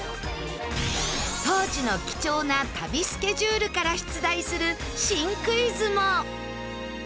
当時の貴重な旅スケジュールから出題する新クイズも。